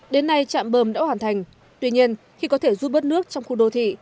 đến nay trạm bơm đã hoàn thành tuy nhiên khi có thể rút bớt nước trong khu đô thị